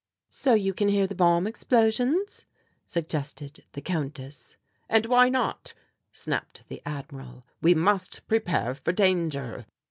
"So you can hear the bomb explosions," suggested the Countess. "And why not?" snapped the Admiral; "we must prepare for danger."